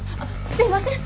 すいません